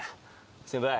先輩